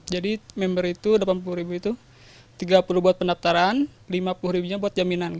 member itu delapan puluh ribu itu tiga puluh buat pendaftaran rp lima puluh nya buat jaminan